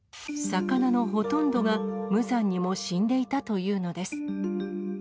魚のほとんどが無残にも死んでいたというのです。